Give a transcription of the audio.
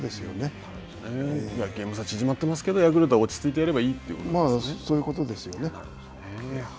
ゲーム差は縮まってますけどヤクルトは落ち着いてやればいいということですね。